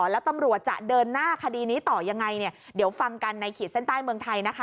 แล้วตำรวจจะเดินหน้าคดีนี้ต่อยังไงเนี่ยเดี๋ยวฟังกันในขีดเส้นใต้เมืองไทยนะคะ